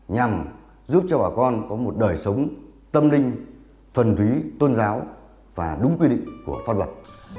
nhằm giúp cho bà con có một đời sống tâm linh thuần thúy tôn giáo và đúng quy định của pháp luật